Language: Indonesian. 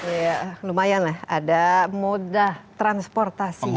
ya lumayan lah ada mudah transportasi baru